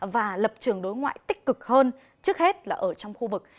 và lập trường đối ngoại tích cực hơn trước hết là ở trong khu vực